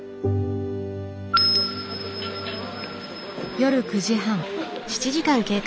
夜９時半。